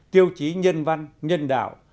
tiêu chí nhân văn nhân đạo